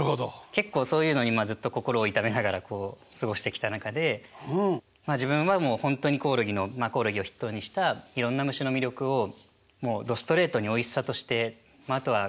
結構そういうのにずっと心を痛めながらこう過ごしてきた中でまあ自分は本当にコオロギのコオロギを筆頭にしたいろんな虫の魅力をもうどストレートにおいしさとしてまああとは個性ですよね。